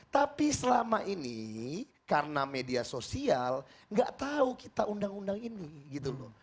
tapi selama ini karena media sosial nggak tahu kita undang undang ini gitu loh